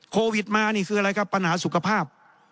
โควิดมานี่คืออะไรครับปัญหาสุขภาพ